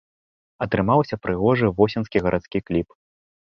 Атрымаўся прыгожы восеньскі гарадскі кліп.